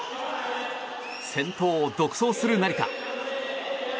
先頭を独走する成田。